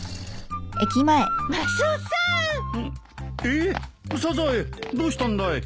えっサザエどうしたんだい？